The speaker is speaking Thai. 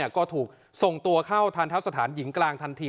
ก็ถูกส่งตัวเข้าทันทะสถานหญิงกลางทันที